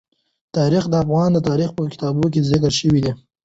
تاریخ د افغان تاریخ په کتابونو کې ذکر شوی دي.